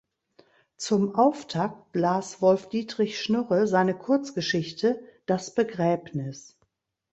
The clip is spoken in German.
Zum Auftakt las Wolfdietrich Schnurre seine Kurzgeschichte "Das Begräbnis.